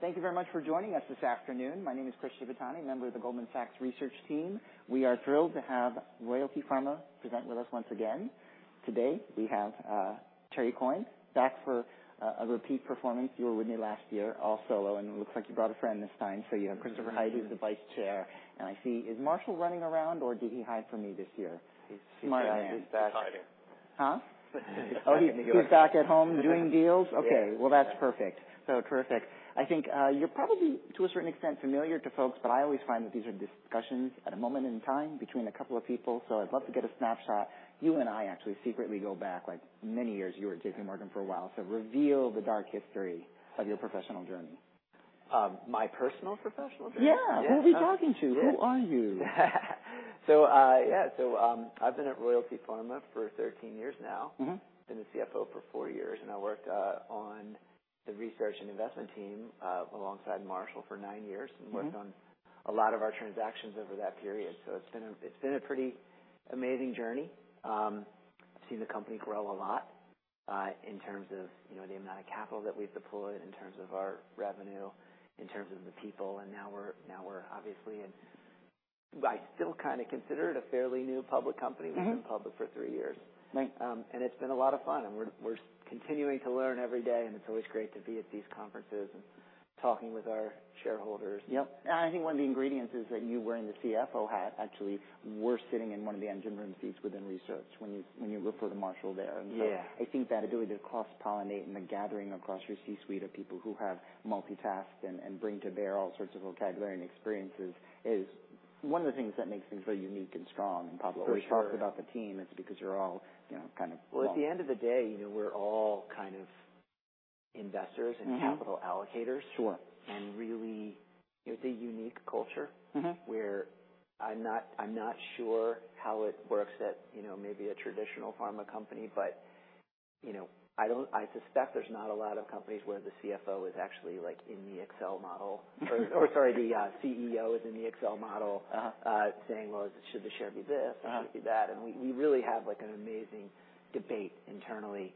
Thank you very much for joining us this afternoon. My name is Chris Shibutani, a member of the Goldman Sachs research team. We are thrilled to have Royalty Pharma present with us once again. Today, we have Terry Coyne back for a repeat performance. You were with me last year also, and it looks like you brought a friend this time. You have Christopher Hite, the Vice Chair, and I see. Is Marshall running around, or did he hide from me this year? He's back. Huh? Oh, he's back at home doing deals. Okay. Yes. That's perfect. Terrific. I think, you're probably, to a certain extent, familiar to folks, but I always find that these are discussions at a moment in time between a couple of people, so I'd love to get a snapshot. You and I actually secretly go back, like, many years. You were at JPMorgan for a while, so reveal the dark history of your professional journey. My personal professional journey? Yeah. Yeah. Who are we talking to? Yes. Who are you? Yeah, I've been at Royalty Pharma for 13 years now. Mm-hmm. Been a CFO for 4 years, I worked on the research and investment team alongside Marshall for 9 years. Mm-hmm. Worked on a lot of our transactions over that period. It's been a pretty amazing journey. I've seen the company grow a lot, in terms of, you know, the amount of capital that we've deployed, in terms of our revenue, in terms of the people. Now we're obviously in. I still kinda consider it a fairly new public company. Mm-hmm. We've been public for 3 years. Right. It's been a lot of fun, and we're continuing to learn every day, and it's always great to be at these conferences and talking with our shareholders. Yep. I think one of the ingredients is that you wearing the CFO hat, actually, we're sitting in one of the engine room seats within research when you root for the Marshall there. Yeah. I think that ability to cross-pollinate and the gathering across your C-suite of people who have multitasked and bring to bear all sorts of vocabulary and experiences is one of the things that makes things feel unique and strong in public. For sure. When we talk about the team, it's because you're all, you know. Well, at the end of the day, you know, we're all kind of investors. Mm-hmm. Capital allocators. Sure. Really, it's a unique culture. Mm-hmm. Where I'm not, I'm not sure how it works at, you know, maybe a traditional pharma company, but, you know, I suspect there's not a lot of companies where the CFO is actually, like, in the Excel model. Sorry, the CEO is in the Excel model. Uh-huh. saying, "Well, should the share be this? Uh-huh. Should it be that?" We really have, like, an amazing debate internally,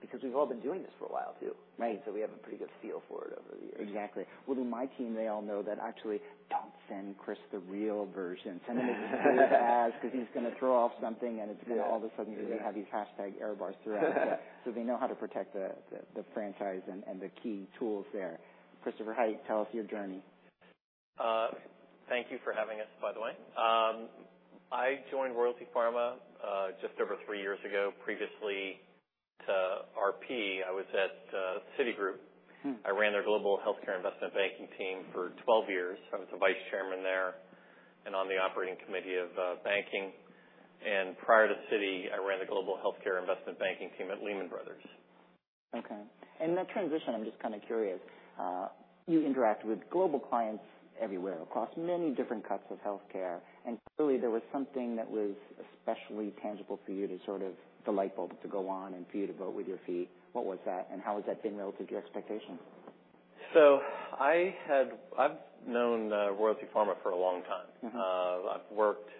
because we've all been doing this for a while, too. Right. We have a pretty good feel for it over the years. Exactly. Well, in my team, they all know that actually, "Don't send Chris the real version. Send him the version he has, because he's gonna throw off something, and it's. Yeah. All of a sudden, you're gonna have these hashtag error bars throughout. They know how to protect the franchise and the key tools there. Christopher Hite, tell us your journey. Thank you for having us, by the way. I joined Royalty Pharma, just over 3 years ago. Previously to RP, I was at Citigroup. Hmm. I ran their global healthcare investment banking team for 12 years. I was the Vice Chairman there and on the operating committee of banking. Prior to Citi, I ran the global healthcare investment banking team at Lehman Brothers. Okay. That transition, I'm just kind of curious, you interact with global clients everywhere, across many different cuts of healthcare, and clearly there was something that was especially tangible for you to sort of the light bulb to go on and for you to vote with your feet. What was that, and how has that been relative to your expectations? I've known, Royalty Pharma for a long time. Mm-hmm. I've worked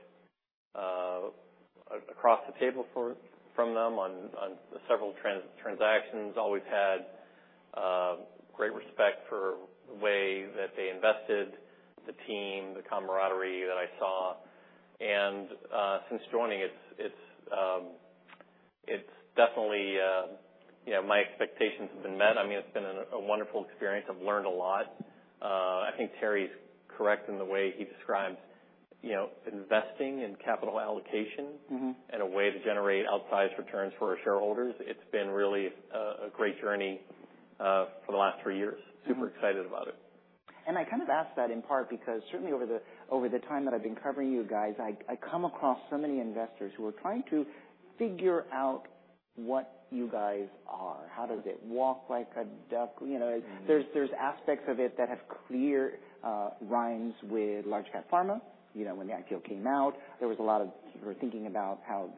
across the table for, from them on several transactions. Always had great respect for the way that they invested, the team, the camaraderie that I saw. Since joining, it's definitely, you know, my expectations have been met. I mean, it's been a wonderful experience. I've learned a lot. I think Terry's correct in the way he describes, you know, investing in capital allocation... Mm-hmm. A way to generate outsized returns for our shareholders. It's been really a great journey for the last 3 years. Mm-hmm. Super excited about it. I kind of asked that in part because certainly over the time that I've been covering you guys, I come across so many investors who are trying to figure out what you guys are. How does it walk like a duck? You know. Mm-hmm. There's aspects of it that have clear rhymes with large cap pharma. You know, when the IPO came out, People were thinking about how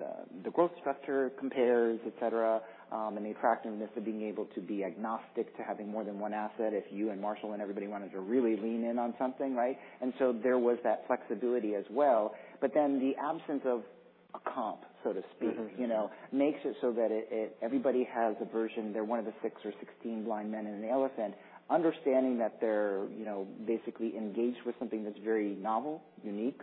the growth structure compares, et cetera. The attractiveness of being able to be agnostic to having more than 1 asset, if you and Marshall and everybody wanted to really lean in on something, right? There was that flexibility as well. The absence of a comp, so to speak. Mm-hmm. you know, makes it so that it, everybody has a version. They're one of the 6 or 16 blind men and an elephant, understanding that they're, you know, basically engaged with something that's very novel, unique,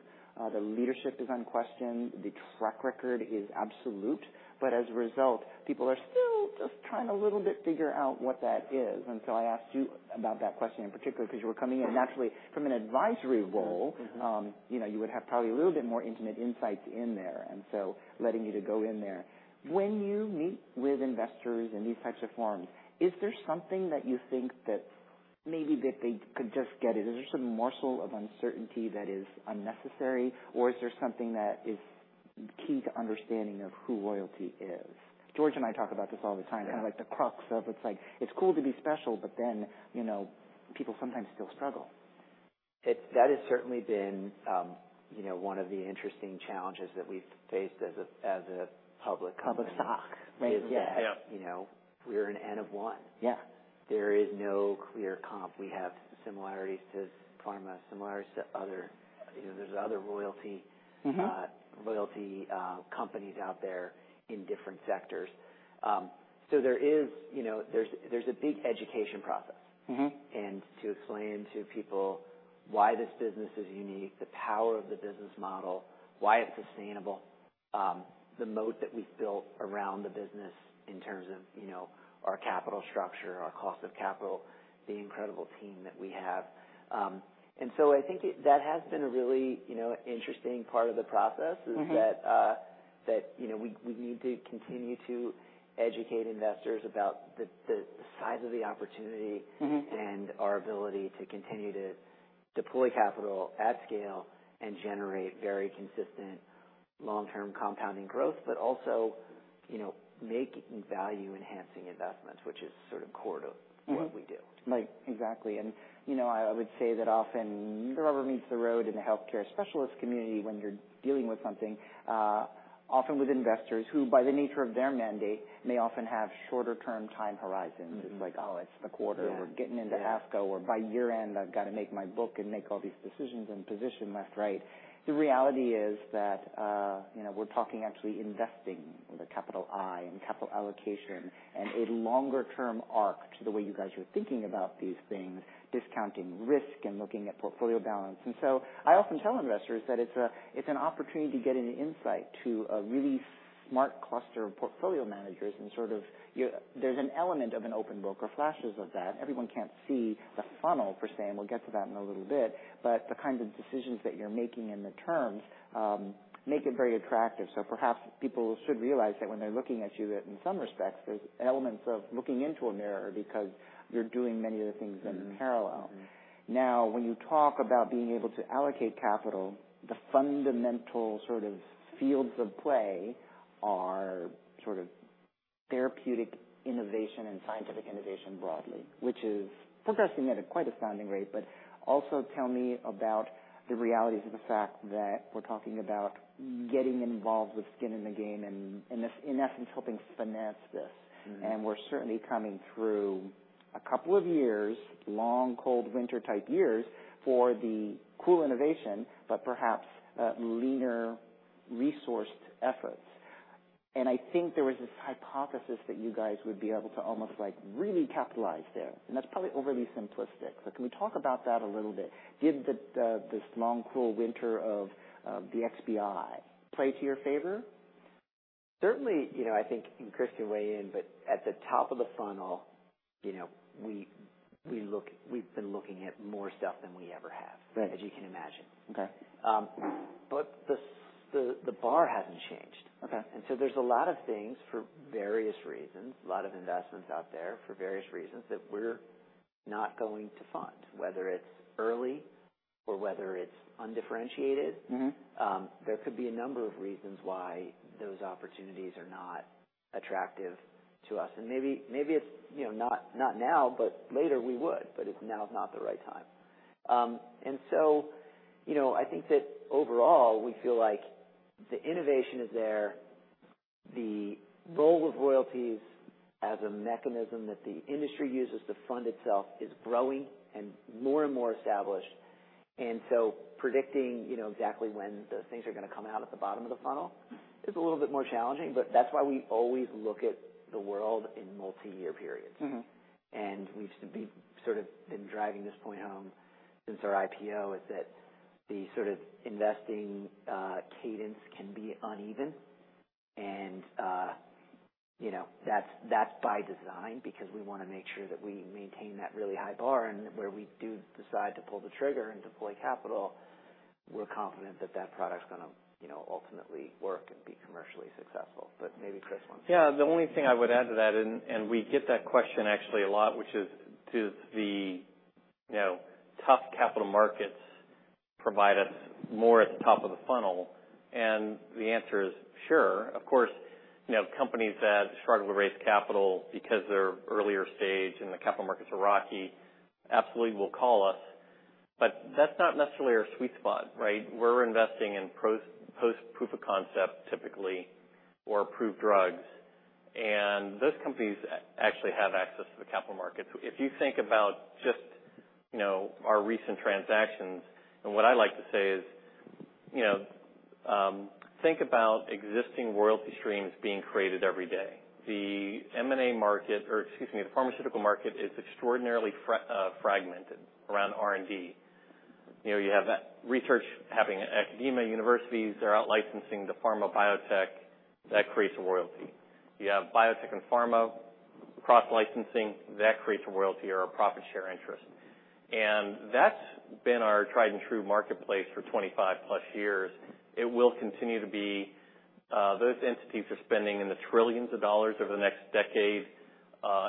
the leadership is unquestioned, the track record is absolute, but as a result, people are still just trying to little bit figure out what that is. I asked you about that question in particular, because you were coming in naturally from an advisory role. Mm-hmm. You know, you would have probably a little bit more intimate insights in there. Letting you to go in there. When you meet with investors in these types of forums, is there something that you think that maybe that they could just get it? Is there some morsel of uncertainty that is unnecessary, or is there something that is key to understanding of who Royalty is? George and I talk about this all the time. Yeah. Kind of like the crux of it's like, it's cool to be special, but then, you know, people sometimes still struggle. That has certainly been, you know, one of the interesting challenges that we've faced as a, as a public company. Public stock. Yes. Yep. You know, we're an N of 1. Yeah. There is no clear comp. We have similarities to pharma, similarities to other. You know, there's other. Mm-hmm. royalty companies out there in different sectors. There is, you know, there's a big education process. Mm-hmm. To explain to people why this business is unique, the power of the business model, why it's sustainable, the moat that we've built around the business in terms of, you know, our capital structure, our cost of capital, the incredible team that we have. I think that has been a really, you know, interesting part of the process. Mm-hmm. is that, you know, we need to continue to educate investors about the size of the opportunity. Mm-hmm. and our ability to continue to deploy capital at scale and generate very consistent long-term compounding growth, but also, you know, making value-enhancing investments, which is sort of core to- Mm-hmm. what we do. Right. Exactly. You know, I would say that often the rubber meets the road in the healthcare specialist community when you're dealing with something, often with investors, who, by the nature of their mandate, may often have shorter term time horizons. Mm-hmm. It's like, "Oh, it's a quarter. Yeah. We're getting into ASCO, or by year-end, I've got to make my book and make all these decisions and position left, right." The reality is that, you know, we're talking actually investing with a capital I and capital allocation and a longer term arc to the way you guys are thinking about these things, discounting risk and looking at portfolio balance. I often tell investors that it's a, it's an opportunity to get an insight to a really smart cluster of portfolio managers and sort of there's an element of an open book or flashes of that. Everyone can't see the funnel, per se, and we'll get to that in a little bit, but the kinds of decisions that you're making in the terms, make it very attractive. Perhaps people should realize that when they're looking at you, that in some respects, there's elements of looking into a mirror because you're doing many of the things in parallel. Mm-hmm. When you talk about being able to allocate capital, the fundamental sort of fields of play are sort of therapeutic innovation and scientific innovation broadly, which is progressing at a quite astounding rate, but also tell me about the realities of the fact that we're talking about getting involved with skin in the game and in essence, helping finance this. Mm-hmm. We're certainly coming through a couple of years, long, cold winter-type years for the cool innovation, but perhaps, leaner resourced efforts. I think there was this hypothesis that you guys would be able to almost, like, really capitalize there, and that's probably overly simplistic, but can we talk about that a little bit? Did the, this long, cool winter of the XBI play to your favor? Certainly, you know, I think, Chris can weigh in, but at the top of the funnel, you know, we've been looking at more stuff than we ever have. Right. As you can imagine. Okay. The bar hasn't changed. Okay. There's a lot of things, for various reasons, a lot of investments out there for various reasons, that we're not going to fund, whether it's early or whether it's undifferentiated. Mm-hmm. There could be a number of reasons why those opportunities are not attractive to us, and maybe it's, you know, not now, but later we would, but it's now is not the right time. You know, I think that overall, we feel like the innovation is there. The role of royalties as a mechanism that the industry uses to fund itself is growing and more and more established. Predicting, you know, exactly when the things are gonna come out at the bottom of the funnel is a little bit more challenging, but that's why we always look at the world in multi-year periods. Mm-hmm. We've sort of been driving this point home since our IPO, is that the sort of investing cadence can be uneven. You know, that's by design, because we wanna make sure that we maintain that really high bar, and where we do decide to pull the trigger and deploy capital, we're confident that that product's gonna, you know, ultimately work and be commercially successful. Maybe Chris wants. Yeah, the only thing I would add to that, and we get that question actually a lot, which is: does the, you know, tough capital markets provide us more at the top of the funnel? The answer is sure. Of course, you know, companies that struggle to raise capital because they're earlier stage and the capital markets are rocky, absolutely will call us, but that's not necessarily our sweet spot, right? We're investing in post proof of concept, typically, or approved drugs, and those companies actually have access to the capital markets. If you think about just, you know, our recent transactions, and what I like to say is, you know, think about existing royalty streams being created every day. The M&A market, or excuse me, the pharmaceutical market is extraordinarily fragmented around R&D. You know, you have that research happening at academia, universities, they're out licensing to pharma, biotech, that creates a royalty. You have biotech and pharma, cross-licensing, that creates a royalty or a profit share interest. That's been our tried and true marketplace for 25 plus years. It will continue to be. Those entities are spending in the trillions of dollars over the next decade,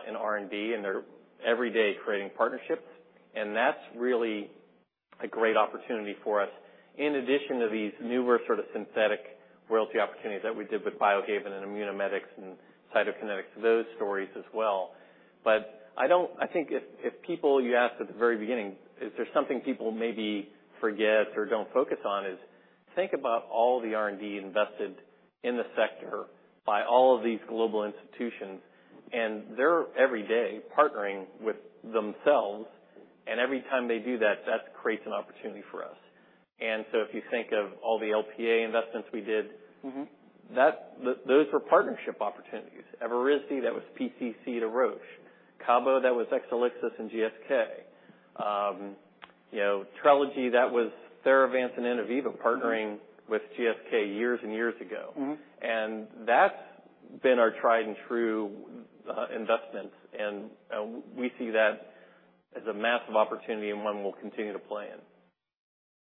in R&D, and they're every day creating partnerships, and that's really a great opportunity for us in addition to these newer sort of synthetic royalty opportunities that we did with Biohaven and Immunomedics and Cytokinetics, those stories as well. I think if people, you asked at the very beginning, is there something people maybe forget or don't focus on, is think about all the R&D invested in the sector by all of these global institutions. They're every day partnering with themselves, and every time they do that creates an opportunity for us. If you think of all the LPA investments we did. Mm-hmm. -that's, those were partnership opportunities. Evrysdi, that was PTC to Roche. Cabo, that was Exelixis and GSK. you know, Trelegy, that was Theravance and Innoviva partnering with GSK years and years ago. Mm-hmm. That's been our tried and true investments, and we see that as a massive opportunity and 1 we'll continue to play in.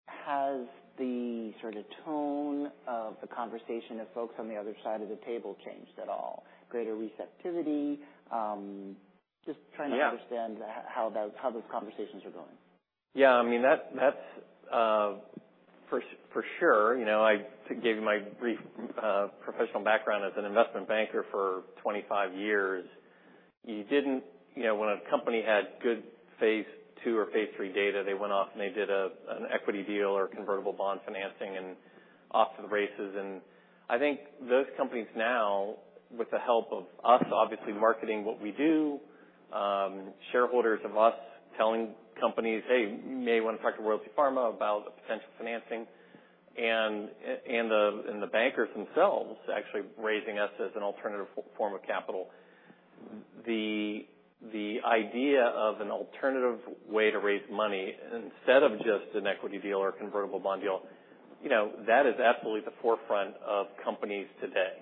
Has the sort of tone of the conversation of folks on the other side of the table changed at all? Greater receptivity? Yeah Understand how those conversations are going. Yeah, I mean, that's for sure. You know, I gave you my brief professional background as an investment banker for 25 years. You didn't, you know, when a company had good phase II or phase III data, they went off, and they did an equity deal or convertible bond financing, and off to the races. I think those companies now, with the help of us, obviously, marketing what we do, shareholders of us telling companies, "Hey, you may want to talk to Royalty Pharma about the potential financing," and the bankers themselves actually raising us as an alternative form of capital. The idea of an alternative way to raise money instead of just an equity deal or a convertible bond deal, you know, that is absolutely the forefront of companies today.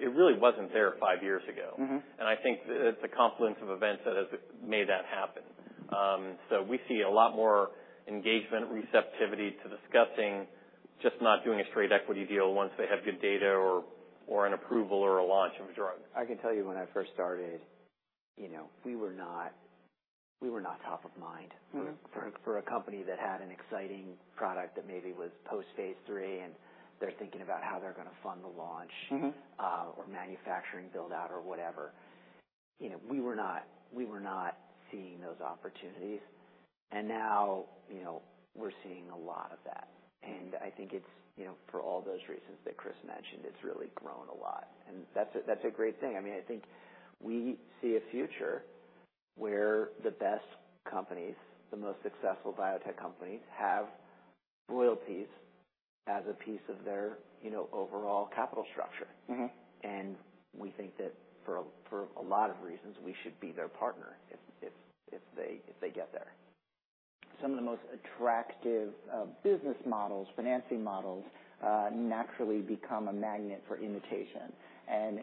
It really wasn't there 5 years ago. Mm-hmm. I think it's a confluence of events that has made that happen. We see a lot more engagement, receptivity to discussing, just not doing a straight equity deal once they have good data or an approval or a launch of a drug. I can tell you when I first started, you know, we were not top of mind. Mm-hmm. For a company that had an exciting product that maybe was post-phase III, and they're thinking about how they're gonna fund the launch. Mm-hmm or manufacturing build-out or whatever, you know, we were not seeing those opportunities. Now, you know, we're seeing a lot of that. I think it's, you know, for all those reasons that Chris mentioned, it's really grown a lot, and that's a, that's a great thing. I mean, I think we see a future where the best companies, the most successful biotech companies, have royalties as a piece of their, you know, overall capital structure. Mm-hmm. We think that for a lot of reasons, we should be their partner if they get there. Some of the most attractive business models, financing models, naturally become a magnet for imitation.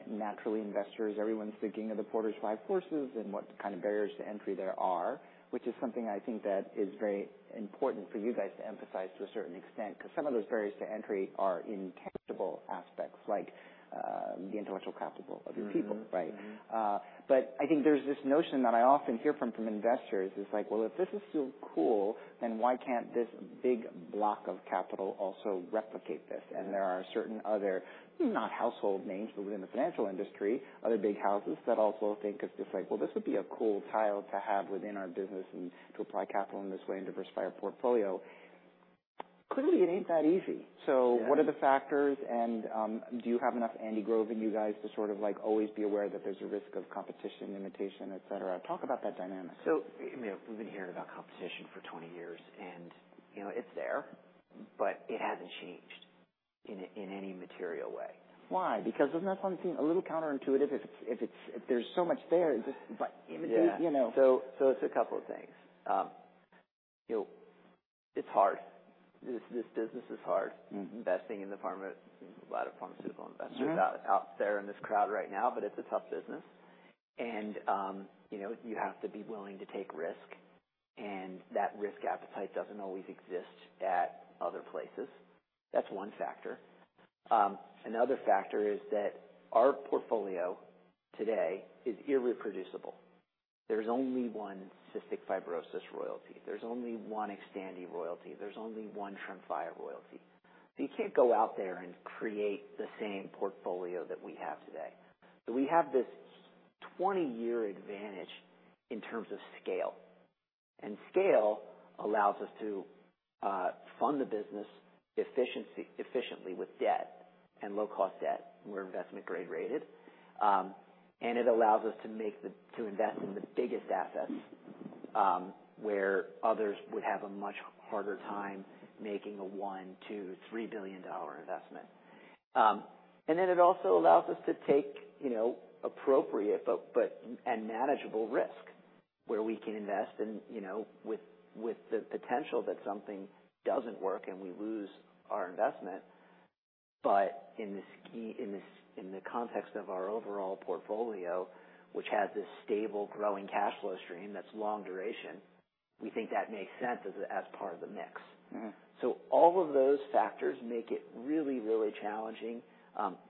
Naturally, investors, everyone's thinking of the Porter's Five Forces and what kind of barriers to entry there are, which is something I think that is very important for you guys to emphasize to a certain extent, 'cause some of those barriers to entry are intangible aspects, like, the intellectual capital of your people, right? Mm-hmm. I think there's this notion that I often hear from investors is like, well, if this is so cool, then why can't this big block of capital also replicate this? Yeah. There are certain other, not household names, but within the financial industry, other big houses that also think it's just like, "Well, this would be a cool tile to have within our business and to apply capital in this way and diversify our portfolio." Clearly, it ain't that easy. Yeah. What are the factors, and do you have enough Andy Grove in you guys to sort of, like, always be aware that there's a risk of competition, imitation, et cetera? Talk about that dynamic. you know, we've been hearing about competition for 20 years, and, you know, it's there, but it hasn't changed in any material way. Why? That's 1 thing, a little counterintuitive, if there's so much there, just... But- You know. it's a couple of things. You know, it's hard. This business is hard. Mm-hmm. A lot of pharmaceutical investors. Yeah Out there in this crowd right now, it's a tough business. You know, you have to be willing to take risk, and that risk appetite doesn't always exist at other places. That's 1 factor. Another factor is that our portfolio today is irreproducible. There's only 1 cystic fibrosis royalty. There's only 1 Xtandi royalty. There's only 1 Tremfya royalty. You can't go out there and create the same portfolio that we have today. We have this 20-year advantage in terms of scale, and scale allows us to fund the business efficiently with debt and low-cost debt. We're investment grade rated. It allows us to invest in the biggest assets, where others would have a much harder time making a $1 billion, $2 billion, $3 billion investment. It also allows us to take, you know, appropriate but and manageable risk, where we can invest and, you know, with the potential that something doesn't work, and we lose our investment. In the context of our overall portfolio, which has this stable, growing cash flow stream that's long duration, we think that makes sense as part of the mix. Mm-hmm. All of those factors make it really, really challenging.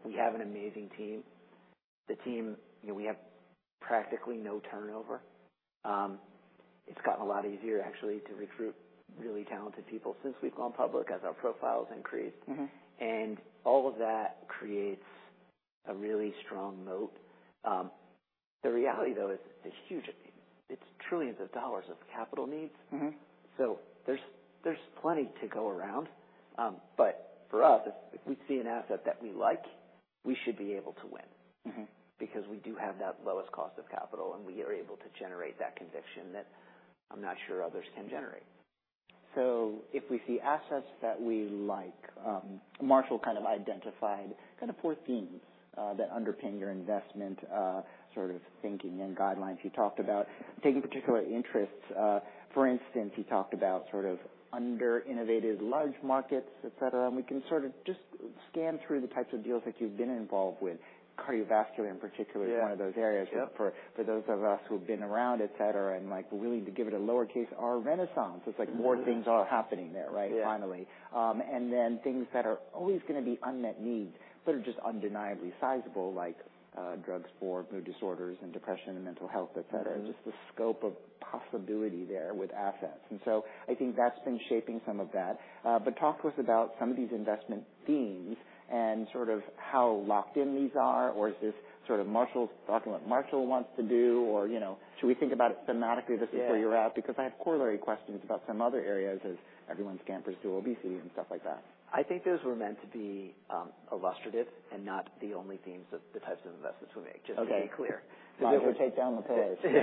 We have an amazing team. The team, you know, we have practically no turnover. It's gotten a lot easier, actually, to recruit really talented people since we've gone public, as our profile's increased. Mm-hmm. All of that creates a really strong moat. The reality, though, is it's huge.... it's trillions of dollars of capital needs. Mm-hmm. There's, there's plenty to go around. But for us, if we see an asset that we like, we should be able to win. Mm-hmm. We do have that lowest cost of capital, and we are able to generate that conviction that I'm not sure others can generate. If we see assets that we like, Marshall kind of identified kind of 4 themes that underpin your investment sort of thinking and guidelines. He talked about taking particular interests. For instance, he talked about sort of under-innovated large markets, et cetera, and we can sort of just scan through the types of deals that you've been involved with. Cardiovascular, in particular- Yeah. is one of those areas. Yep. For those of us who have been around, et cetera, and might be willing to give it a lowercase R renaissance. Mm-hmm. It's like more things are happening there, right? Yeah. Finally. Things that are always gonna be unmet needs, but are just undeniably sizable, like, drugs for mood disorders and depression and mental health, et cetera. Mm-hmm. Just the scope of possibility there with assets. I think that's been shaping some of that. Talk to us about some of these investment themes and sort of how locked in these are, or is this sort of Marshall talking about what Marshall wants to do, or, you know, should we think about it thematically? Yeah This is where you're at, because I have corollary questions about some other areas as everyone scampers to OBC and stuff like that. I think those were meant to be, illustrative and not the only themes of the types of investments we make. Okay. Just to be clear. We'll take down the page.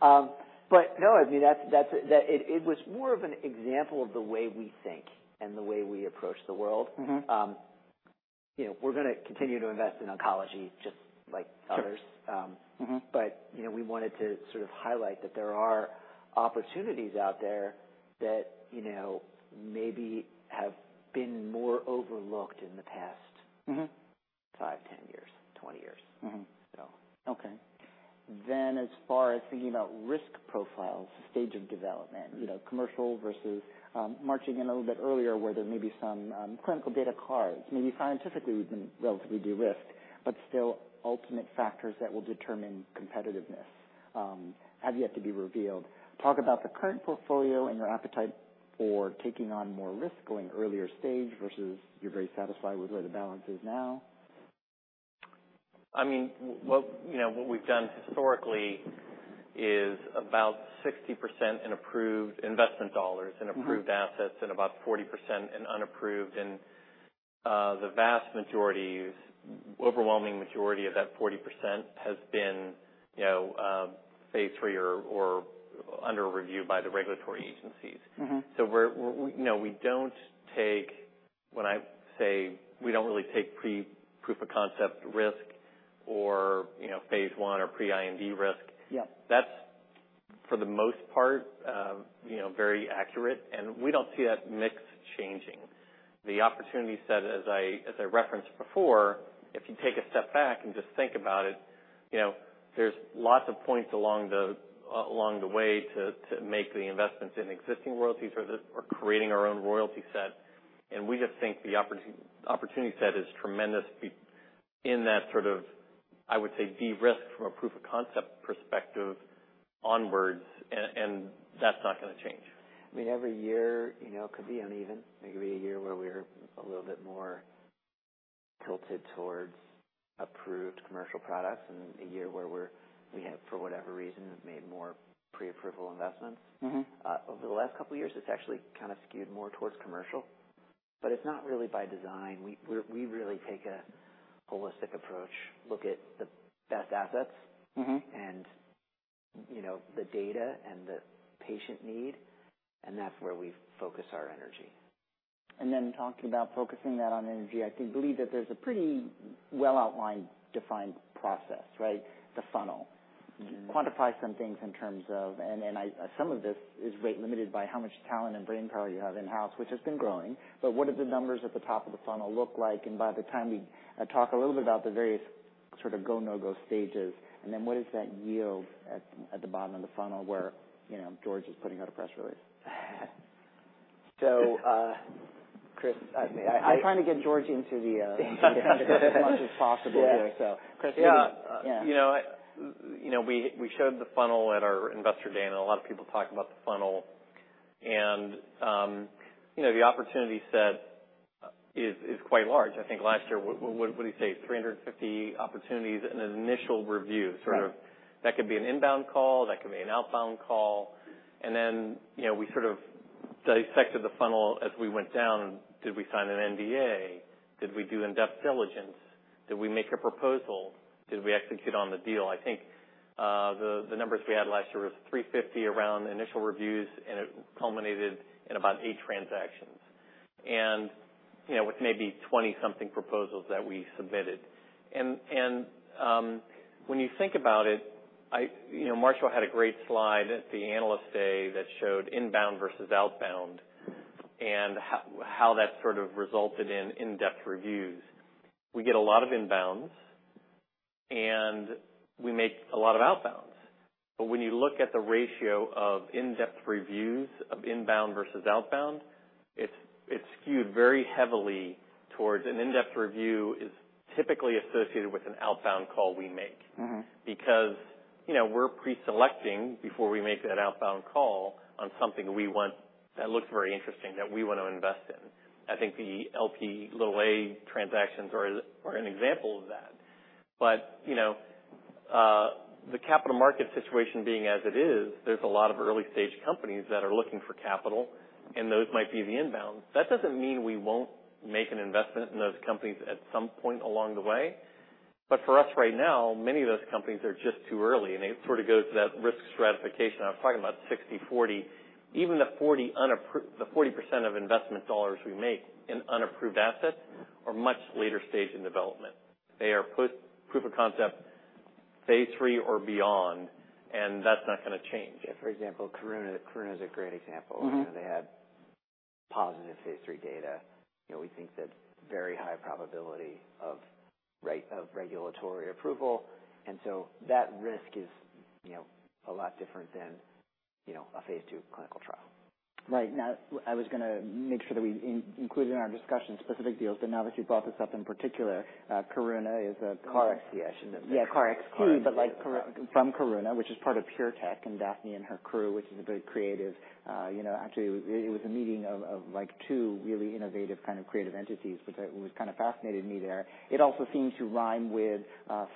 No, I mean, that's It was more of an example of the way we think and the way we approach the world. Mm-hmm. You know, we're gonna continue to invest in oncology just like others. Sure. Mm-hmm. You know, we wanted to sort of highlight that there are opportunities out there that, you know, maybe have been more overlooked in the past. Mm-hmm -5, 10 years, 20 years. Mm-hmm. So. Okay. As far as thinking about risk profiles, stage of development, you know, commercial versus, marching in a little bit earlier, where there may be some clinical data cards. Maybe scientifically, we've been relatively de-risked, but still ultimate factors that will determine competitiveness, have yet to be revealed. Talk about the current portfolio and your appetite for taking on more risk going earlier stage versus you're very satisfied with where the balance is now. I mean, well, you know, what we've done historically is about 60% in approved investment dollars. Mm-hmm in approved assets and about 40% in unapproved. The vast majority, overwhelming majority of that 40% has been, you know, phase III or under review by the regulatory agencies. Mm-hmm. No, we don't take. When I say we don't really take pre-proof of concept risk or, you know, phase I or pre-IND risk. Yes -that's, for the most part, you know, very accurate, and we don't see that mix changing. The opportunity set, as I referenced before, if you take a step back and just think about it, you know, there's lots of points along the along the way to make the investments in existing royalties or just, or creating our own royalty set. We just think the opportunity set is tremendous in that sort of, I would say, de-risk from a proof of concept perspective onwards, and that's not gonna change. I mean, every year, you know, could be uneven. It could be a year where we're a little bit more tilted towards approved commercial products and a year where we have, for whatever reason, made more pre-approval investments. Mm-hmm. Over the last couple of years, it's actually kind of skewed more towards commercial. It's not really by design. We really take a holistic approach, look at the best assets. Mm-hmm You know, the data and the patient need, and that's where we focus our energy. Talking about focusing that on energy, I do believe that there's a pretty well-outlined, defined process, right? The funnel. Mm-hmm. Quantify some things in terms of. Some of this is rate limited by how much talent and brain power you have in-house, which has been growing. What do the numbers at the top of the funnel look like? By the time we talk a little bit about the various sort of go/no-go stages, and then what does that yield at the bottom of the funnel where, you know, George is putting out a press release? Chris, I. I'm trying to get George into the. -as much as possible here, so. Yeah. Yeah. Yeah. You know, you know, we showed the funnel at our investor day, and a lot of people talk about the funnel. You know, the opportunity set is quite large. I think last year, what did he say? 350 opportunities in an initial review. Right. Sort of that could be an inbound call, that could be an outbound call. Then, you know, we sort of dissected the funnel as we went down. Did we sign an NDA? Did we do in-depth diligence? Did we make a proposal? Did we execute on the deal? I think the numbers we had last year was 350 around initial reviews, and it culminated in about 8 transactions. You know, with maybe 20 something proposals that we submitted. When you think about it, you know, Marshall had a great slide at the analyst day that showed inbound versus outbound, and how that sort of resulted in in-depth reviews. We get a lot of inbounds. We make a lot of outbounds. When you look at the ratio of in-depth reviews, of inbound versus outbound, it's skewed very heavily. An in-depth review is typically associated with an outbound call we make. Mm-hmm. You know, we're pre-selecting before we make that outbound call on something we want.... that looks very interesting that we want to invest in. I think the LP low A transactions are an example of that. you know, the capital market situation being as it is, there's a lot of early-stage companies that are looking for capital, and those might be the inbounds. That doesn't mean we won't make an investment in those companies at some point along the way. For us right now, many of those companies are just too early, and it sort of goes to that risk stratification. I'm talking about 60/40. Even the 40% of investment dollars we make in unapproved assets are much later stage in development. They are proof of concept, phase III or beyond, and that's not gonna change. Yeah, for example, Karuna. Karuna is a great example. Mm-hmm. They had positive phase III data. You know, we think that very high probability of regulatory approval, and so that risk is, you know, a lot different than, you know, a phase 2 clinical trial. Right. I was gonna make sure that we included in our discussion specific deals, now that you've brought this up in particular, Karuna is. I should mention. Yeah, KarXT. KarXT. Like, from Karuna, which is part of PureTech and Daphne and her crew, which is a very creative, you know. Actually, it was a meeting of like 2 really innovative, kind of creative entities, which was kind of fascinated me there. It also seems to rhyme with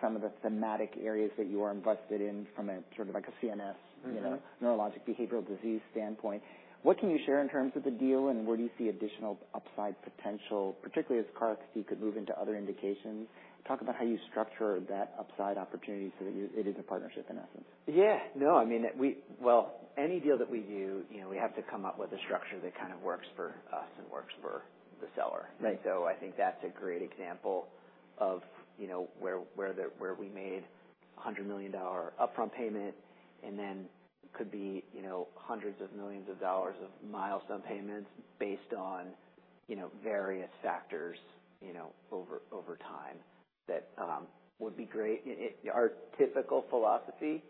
some of the thematic areas that you are invested in from a sort of like a CNS- Mm-hmm. You know, neurologic behavioral disease standpoint. What can you share in terms of the deal, and where do you see additional upside potential, particularly as KarXT could move into other indications? Talk about how you structure that upside opportunity so that it is a partnership in essence. Yeah. No, I mean, well, any deal that we do, you know, we have to come up with a structure that kind of works for us and works for the seller. Right. I think that's a great example of, you know, where we made a $100 million upfront payment, and then could be, you know, hundreds of millions of dollars of milestone payments based on, you know, various factors, you know, over time. That would be great. Our typical philosophy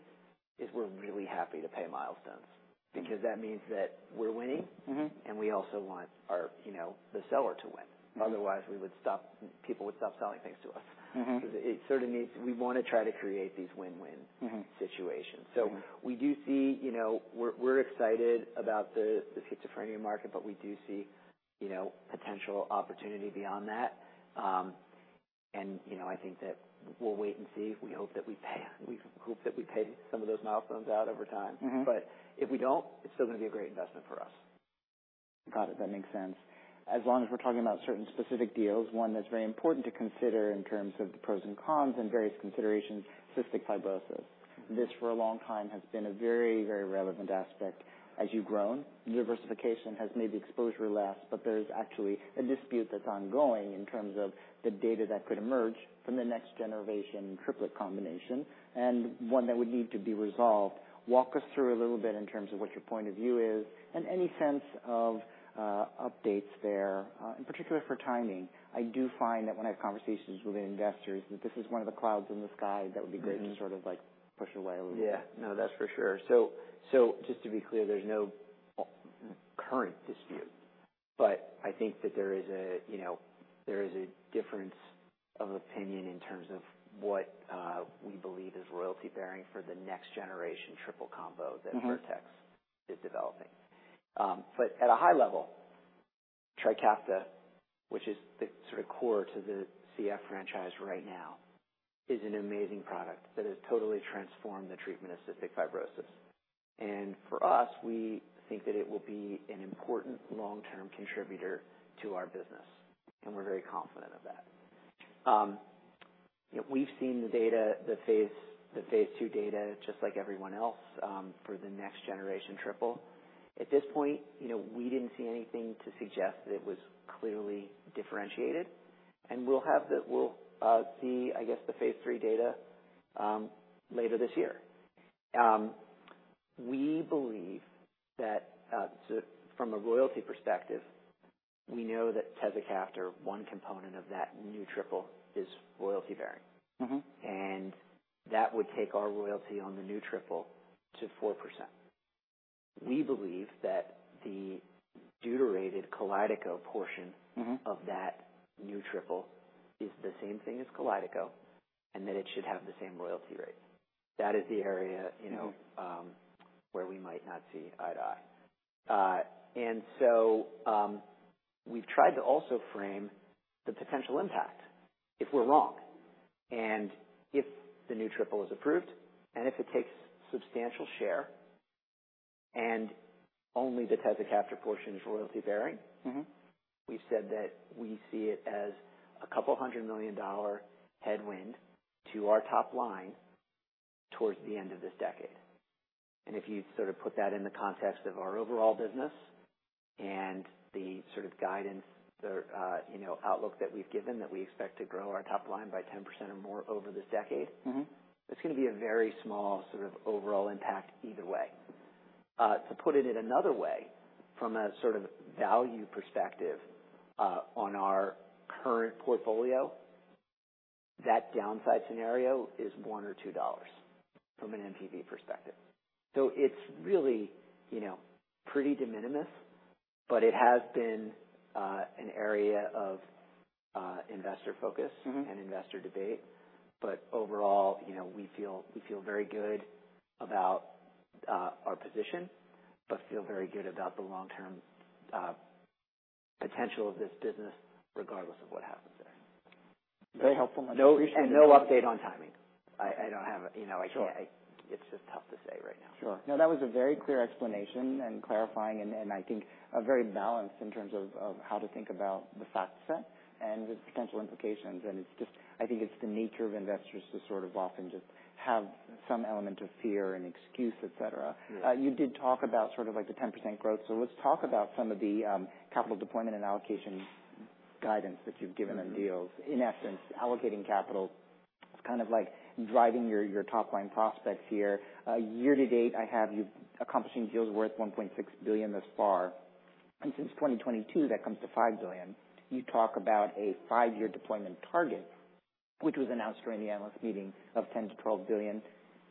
is we're really happy to pay milestones. Mm-hmm. that means that we're winning. Mm-hmm. We also want our, you know, the seller to win. Right. Otherwise, we would stop. People would stop selling things to us. Mm-hmm. It sort of needs. We want to try to create these win-win. Mm-hmm. -situations. Right. We do see, you know, we're excited about the schizophrenia market, but we do see, you know, potential opportunity beyond that. You know, I think that we'll wait and see. We hope that we pay some of those milestones out over time. Mm-hmm. If we don't, it's still gonna be a great investment for us. Got it. That makes sense. As long as we're talking about certain specific deals, 1 that's very important to consider in terms of the pros and cons and various considerations, cystic fibrosis. This, for a long time, has been a very, very relevant aspect. As you've grown, diversification has made the exposure less, but there's actually a dispute that's ongoing in terms of the data that could emerge from the next-generation triplet combination, and 1 that would need to be resolved. Walk us through a little bit in terms of what your point of view is and any sense of updates there in particular for timing. I do find that when I have conversations with investors, that this is one of the clouds in the sky that would be great- Mm-hmm. -to sort of, like, push away a little bit. Yeah. No, that's for sure. Just to be clear, there's no current dispute. I think that there is a, you know, there is a difference of opinion in terms of what we believe is royalty-bearing for the next-generation triple combo. Mm-hmm. Vertex is developing. At a high level, Trikafta, which is the sort of core to the CF franchise right now, is an amazing product that has totally transformed the treatment of cystic fibrosis. For us, we think that it will be an important long-term contributor to our business, and we're very confident of that. We've seen the data, the phase II data, just like everyone else, for the next generation triple. At this point, you know, we didn't see anything to suggest that it was clearly differentiated, and we'll see, I guess, the phase III data later this year. We believe that from a royalty perspective, we know that Tezacaftor, 1 component of that new triple, is royalty-bearing. Mm-hmm. That would take our royalty on the new triple to 4%. We believe that the deuterated Kalydeco portion. Mm-hmm. -of that new triple is the same thing as Kalydeco, and that it should have the same royalty rate. That is the area, you know, where we might not see eye to eye. We've tried to also frame the potential impact if we're wrong. If the new triple is approved, and if it takes substantial share, and only the Tezacaftor portion is royalty-bearing. Mm-hmm. we've said that we see it as a $200 million headwind to our top line towards the end of this decade. If you sort of put that in the context of our overall business and the sort of guidance or, you know, outlook that we've given, that we expect to grow our top line by 10% or more over this decade. Mm-hmm. It's gonna be a very small sort of overall impact either way. To put it in another way, from a sort of value perspective, on our current portfolio, that downside scenario is $1 or $2 from an NPV perspective. It's really, you know, pretty de minimis, but it has been an area of investor focus. Mm-hmm. -and investor debate. Overall, you know, we feel very good about our position, but feel very good about the long-term potential of this business, regardless of what happens there. Very helpful. No- No update on timing? I don't have, you know. Sure. It's just tough to say right now. Sure. No, that was a very clear explanation, and clarifying, and I think very balanced in terms of how to think about the fact set and the potential implications. It's just, I think it's the nature of investors to sort of often just have some element of fear and excuse, et cetera. Yeah. you did talk about sort of like the 10% growth. Let's talk about some of the capital deployment and allocation guidance that you've given on deals. Mm-hmm. In essence, allocating capital is kind of like driving your top line prospects here. Year to date, I have you accomplishing deals worth $1.6 billion thus far, and since 2022, that comes to $5 billion. You talk about a 5-year deployment target, which was announced during the analyst meeting, of $10 billion-$12 billion.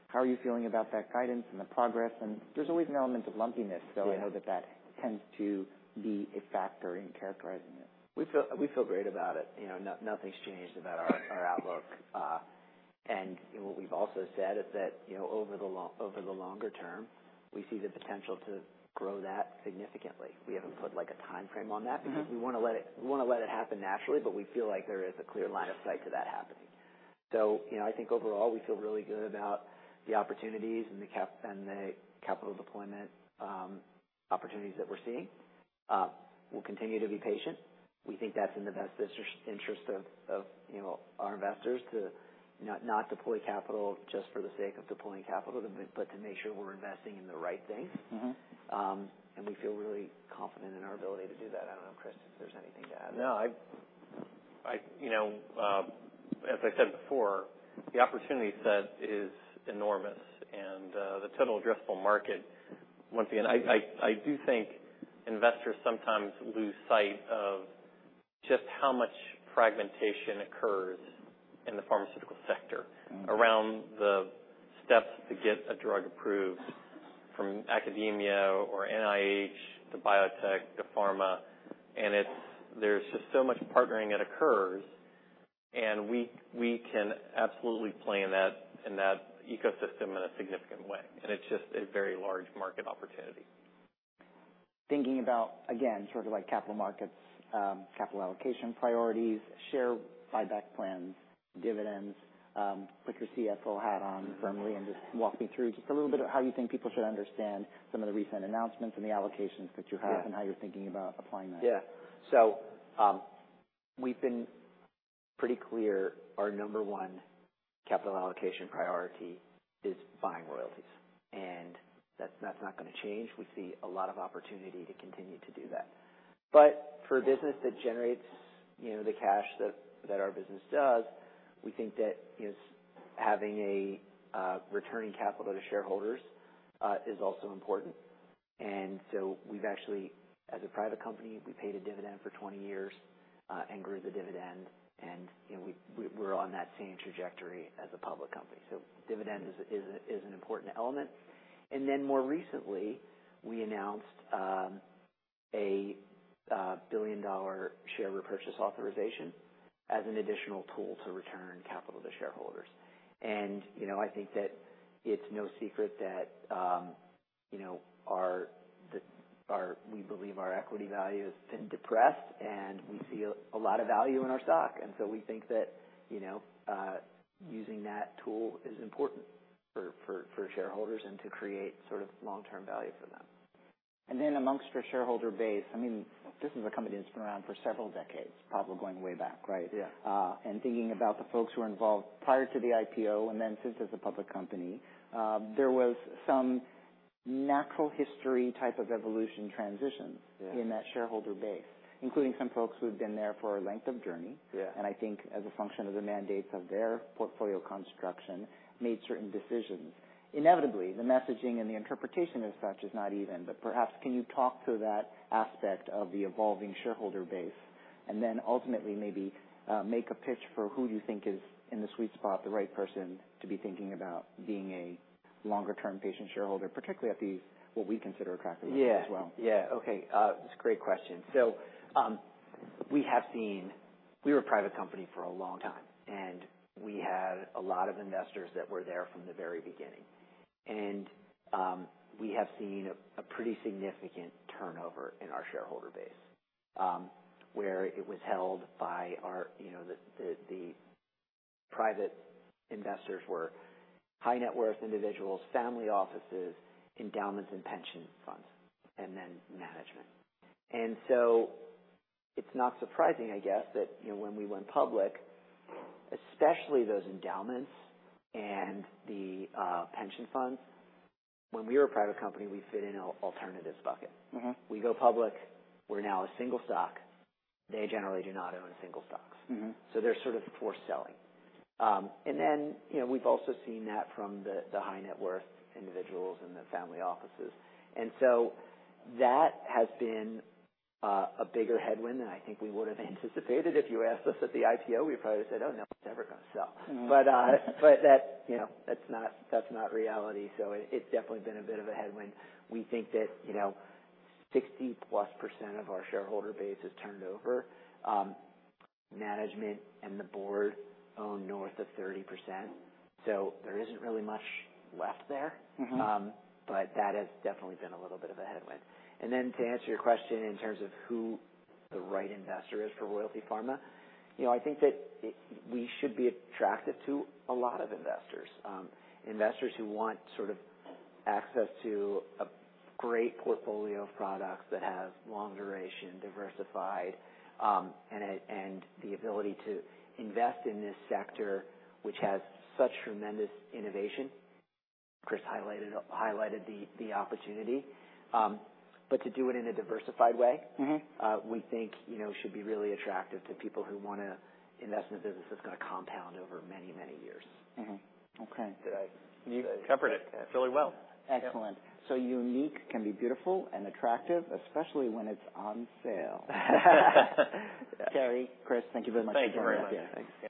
How are you feeling about that guidance and the progress? There's always an element of lumpiness... Yeah. I know that that tends to be a factor in characterizing it. We feel great about it. You know, nothing's changed about our outlook. What we've also said is that, you know, over the longer term, we see the potential to grow that significantly. We haven't put, like, a time frame on that. Mm-hmm. We wanna let it happen naturally, but we feel like there is a clear line of sight to that happening. You know, I think overall, we feel really good about the opportunities and the capital deployment, opportunities that we're seeing. We'll continue to be patient. We think that's in the best interest of, you know, our investors, to not deploy capital just for the sake of deploying capital, but to make sure we're investing in the right things. Mm-hmm. We feel really confident in our ability to do that. I don't know, Chris, if there's anything to add? I You know, as I said before, the opportunity set is enormous, and the total addressable market, once again, I do think investors sometimes lose sight of just how much fragmentation occurs in the pharmaceutical sector. Mm. around the steps to get a drug approved from academia or NIH to biotech to pharma. There's just so much partnering that occurs. We can absolutely play in that ecosystem in a significant way. It's just a very large market opportunity. Thinking about, again, sort of like capital markets, capital allocation priorities, share buyback plans, dividends, put your CFO hat on firmly and just walk me through just a little bit of how you think people should understand some of the recent announcements and the allocations that you have? Yeah. How you're thinking about applying that. Yeah. We've been pretty clear, our number 1 capital allocation priority is buying royalties, and that's not gonna change. We see a lot of opportunity to continue to do that. For a business that generates, you know, the cash that our business does, we think that, is, having a returning capital to shareholders, is also important. We've actually, as a private company, we paid a dividend for 20 years and grew the dividend, and, you know, we're on that same trajectory as a public company. Dividend is an important element. More recently, we announced a $1 billion share repurchase authorization as an additional tool to return capital to shareholders. You know, I think that it's no secret that, you know, our, the, our... We believe our equity value has been depressed, and we see a lot of value in our stock. We think that, you know, using that tool is important for shareholders and to create sort of long-term value for them. Amongst your shareholder base, I mean, this is a company that's been around for several decades, probably going way back, right? Yeah. Thinking about the folks who are involved prior to the IPO and then since as a public company, there was some natural history type of evolution transition. Yeah. in that shareholder base, including some folks who had been there for a length of journey. Yeah. I think, as a function of the mandates of their portfolio construction, made certain decisions. Inevitably, the messaging and the interpretation as such is not even, but perhaps can you talk to that aspect of the evolving shareholder base, and then ultimately maybe make a pitch for who you think is in the sweet spot, the right person to be thinking about being a longer-term patient shareholder, particularly at the, what we consider a. Yeah. As well? Yeah. Okay, it's a great question. We were a private company for a long time, and we had a lot of investors that were there from the very beginning. We have seen a pretty significant turnover in our shareholder base, where it was held by our, you know, the private investors were high-net-worth individuals, family offices, endowments and pension funds, and then management. It's not surprising, I guess, that, you know, when we went public, especially those endowments and the pension funds, when we were a private company, we fit in an alternatives bucket. Mm-hmm. We go public, we're now a single stock. They generally do not own single stocks. Mm-hmm. They're sort of forced selling. You know, we've also seen that from the high-net-worth individuals and the family offices. That has been a bigger headwind than I think we would have anticipated. If you asked us at the IPO, we probably would've said, "Oh, no, it's never gonna sell. Mm. That, you know, that's not, that's not reality. It, it's definitely been a bit of a headwind. We think that, you know, 60%+ of our shareholder base has turned over. Management and the board own north of 30%, so there isn't really much left there. Mm-hmm. But that has definitely been a little bit of a headwind. To answer your question in terms of who the right investor is for Royalty Pharma, you know, I think that we should be attractive to a lot of investors. Investors who want sort of access to a great portfolio of products that have long duration, diversified, and the ability to invest in this sector, which has such tremendous innovation. Chris highlighted the opportunity, but to do it in a diversified way. Mm-hmm. We think, you know, should be really attractive to people who wanna invest in a business that's gonna compound over many, many years. Mm-hmm. Okay. Did I- You covered it really well. Excellent. Unique can be beautiful and attractive, especially when it's on sale. Terry, Chris, thank you very much. Thank you very much. Yeah. Thanks.